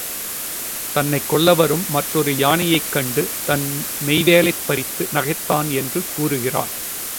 தன்னைக் கொல்ல வரும் மற்றொரு யானையைக் கண்டு தன் மெய்வேலைப் பறித்து நகைத்தான் என்று கூறுகிறார்.